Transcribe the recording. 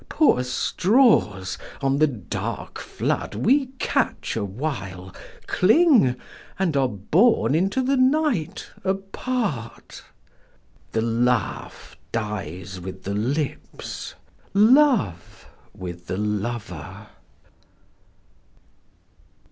Poor straws! on the dark flood we catch awhile, Cling, and are borne into the night apart. The laugh dies with the lips, 'Love' with the lover.